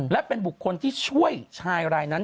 และเป็นบุคคลที่ช่วยชายรายนั้น